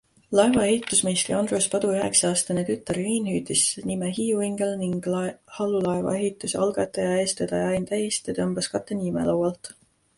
Laeva ehitusmeistri Andrus Padu üheksaaastane tütar Riin hüüdis nime HiiuIngel ning halulaeva ehituse algataja ja eestvedaja Ain Tähiste tõmbas katte nimelaualt.